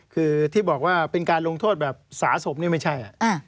คือที่บอกว่าเป็นการลงโทษสาธงสมไม่ใช่